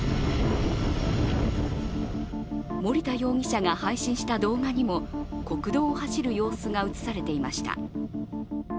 森田容疑者が配信した動画にも国道を走る様子が映されていました。